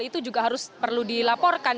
itu juga harus perlu dilaporkan